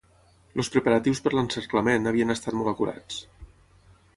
Els preparatius per l'encerclament havien estat molt acurats.